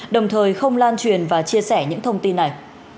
đồng thời không lan truyền và chia sẻ những thông tin này